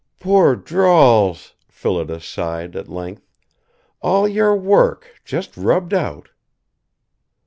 "Poor Drawls!" Phillida sighed at length. "All your work just rubbed out!"